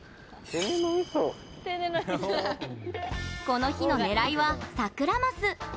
この日の狙いは、サクラマス。